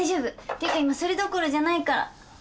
っていうか今それどころじゃないから。